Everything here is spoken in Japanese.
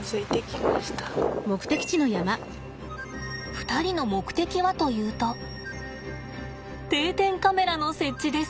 ２人の目的はというと定点カメラの設置です。